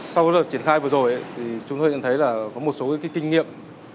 sau đợt triển khai vừa rồi thì chúng tôi nhận thấy là có một số kinh nghiệm